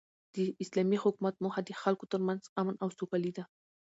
د اسلامي حکومت موخه د خلکو تر منځ امن او سوکالي ده.